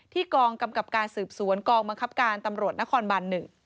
กองกำกับการสืบสวนกองบังคับการตำรวจนครบัน๑